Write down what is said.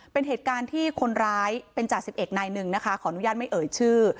เป็นเหตุการณ์ที่คนร้ายเป็นจ่าสิบเอกนายหนึ่งนะคะขออนุญาตไม่เอ่ยชื่อ